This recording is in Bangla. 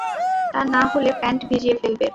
তা না হলে প্যান্ট ভিজিয়ে ফেলবে!